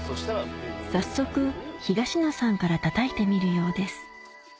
早速東野さんからたたいてみるようです